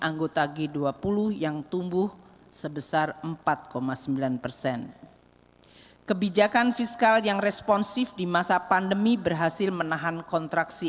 growth sebesar empat sembilan persen kebijakan fiskal yang responsif di masa pandemi berhasil menahan kontraksi